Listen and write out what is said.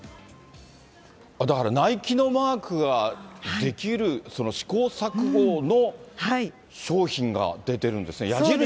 だからナイキのマークが出来る、その試行錯誤の商品が出てるんですね。